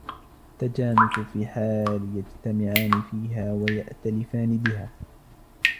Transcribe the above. التَّجَانُسُ فِي حَالٍ يَجْتَمِعَانِ فِيهَا وَيَأْتَلِفَانِ بِهَا